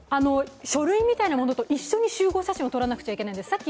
書類みたいな物と一緒に集合写真を撮らないといけないんです。